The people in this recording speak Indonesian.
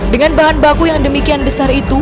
dengan bahan baku yang demikian besar itu